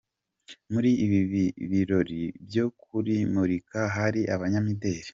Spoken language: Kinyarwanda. Muri ibi birori byo kurimurika hari abanyamideli.